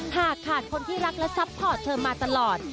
หากขาดคนที่รักและซัพพอร์ตเธอมาตลอด